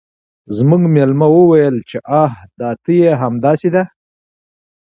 زموږ میلمه وویل چې آه دا ته یې همداسې ده